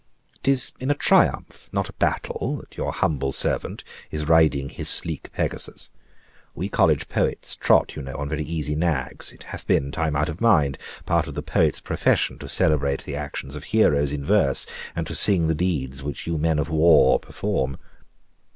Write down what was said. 'Tis in a triumph, not a battle, that your humble servant is riding his sleek Pegasus. We college poets trot, you know, on very easy nags; it hath been, time out of mind, part of the poet's profession to celebrate the actions of heroes in verse, and to sing the deeds which you men of war perform.